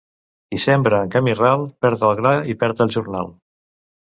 Qui sembra en camí ral, perd el gra i perd el jornal.